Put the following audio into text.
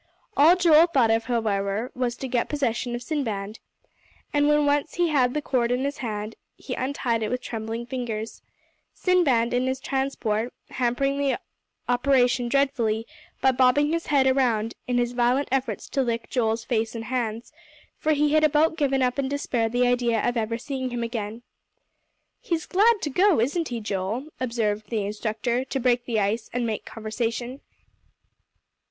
All Joel thought of, however, was to get possession of Sinbad. And when once he had the cord in his hand, he untied it with trembling fingers, Sinbad, in his transport, hampering the operation dreadfully by bobbing his head about in his violent efforts to lick Joel's face and hands, for he had about given up in despair the idea of ever seeing him again. "He's glad to go, isn't he, Joel?" observed the instructor, to break the ice, and make conversation.